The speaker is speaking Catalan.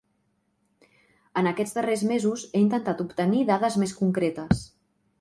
En aquests darrers mesos he intentat obtenir dades més concretes.